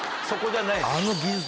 そこじゃないです。